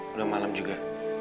udah malam juga